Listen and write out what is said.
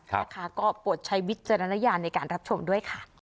นะคะก็โปรดใช้วิจารณญาณในการรับชมด้วยค่ะ